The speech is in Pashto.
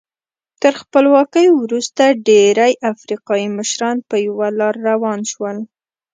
تر خپلواکۍ وروسته ډېری افریقایي مشران په یوه لار روان شول.